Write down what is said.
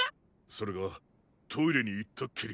それがトイレにいったっきり。